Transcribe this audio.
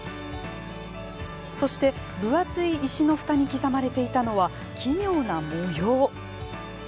そして、分厚い石のふたに刻まれていたのは、奇妙な模様。